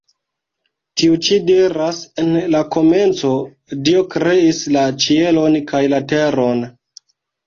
Tiu ĉi diras: “En la komenco Dio kreis la ĉielon kaj la teron.